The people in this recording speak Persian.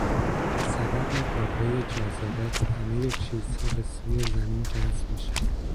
بسبب قوهٔ جاذبه همه چیزها بسوی زمین جذب میشود.